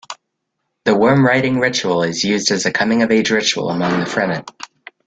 The worm-riding ritual is used as a coming-of-age ritual among the Fremen.